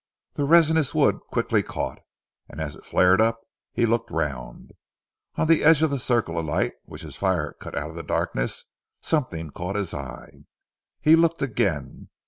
The resinous wood quickly caught, and as it flared up he looked round. On the edge of the circle of light, which his fire cut out of the darkness, something caught his eye. He looked again.